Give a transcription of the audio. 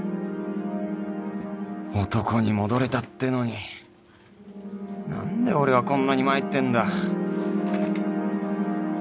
男に戻れたってのに何で俺はこんなに参ってんだ